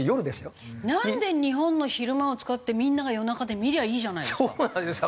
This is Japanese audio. なんで日本の昼間を使ってみんなが夜中に見りゃいいじゃないですか。